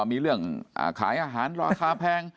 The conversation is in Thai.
มีเรื่องขายอาหารราคาแพง